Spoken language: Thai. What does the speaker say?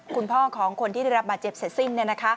คุณพ่อของคนที่ได้รับบาดเจ็บเสร็จสิ้น